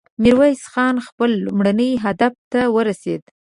ميرويس خان خپل لومړني هدف ته ورسېد.